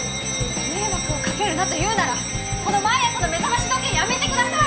迷惑をかけるなと言うならこの毎朝の目覚まし時計やめてください！